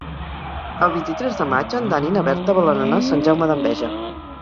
El vint-i-tres de maig en Dan i na Berta volen anar a Sant Jaume d'Enveja.